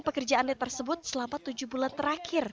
pekerjaan lit tersebut selama tujuh bulan terakhir